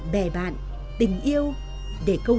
bè bạn tình yêu